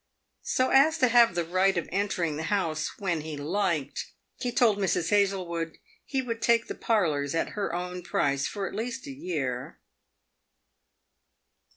So as to have the right of entering the house when he liked, he told Mrs. Hazlewood he would take the parlours at her own price, for at least a year.